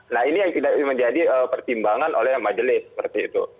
nah ini yang tidak menjadi pertimbangan oleh majelis seperti itu